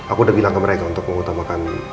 aku udah bilang ke mereka untuk mengutamakan